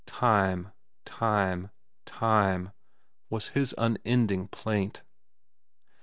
Time! was his unending plaint.